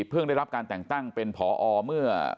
ได้รับการแต่งตั้งเป็นผอเมื่อ